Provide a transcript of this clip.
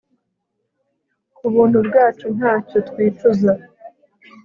kubuntu bwacu nta cyo twicuza